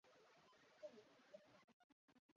勐海隔距兰为兰科隔距兰属下的一个种。